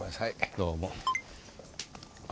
どうも。